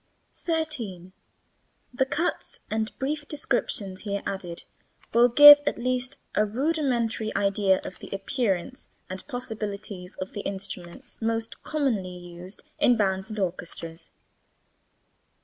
13. The cuts and brief descriptions here added will give at least a rudimentary idea of the appearance and possibilities of the instruments most commonly used in bands and orchestras.